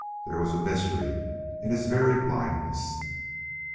There was mystery in his very blindness.